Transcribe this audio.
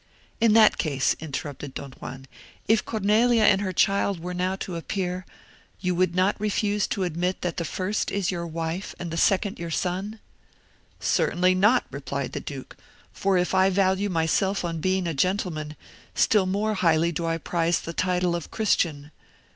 "In that case," interrupted Don Juan, "if Cornelia and her child were now to appear, you would not refuse to admit that the first is your wife, and the second your son?" "Certainly not," replied the duke; "for if I value myself on being a gentleman, still more highly do I prize the title of Christian.